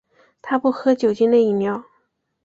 他不喝酒精类饮料。